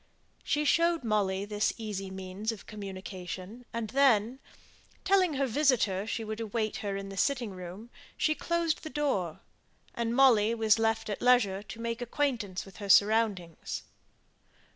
She showed Molly this easy means of communication, and then, telling her visitor she would await her in the sitting room, she closed the door, and Molly was left at leisure to make acquaintance with her surroundings.